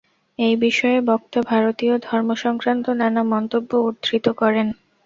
এই বিষয়ে বক্তা ভারতীয় ধর্মসংক্রান্ত নানা মন্তব্য উদ্ধৃত করেন।